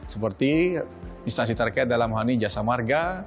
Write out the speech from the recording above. seperti instansi terkait dalam hal ini jasa marga